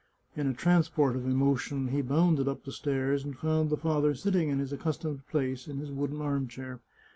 In a transport of emotion he bounded up the stairs and found the father sitting in his accustomed place in his wooden arm chair.